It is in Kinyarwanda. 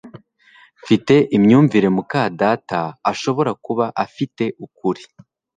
Mfite imyumvire muka data ashobora kuba afite ukuri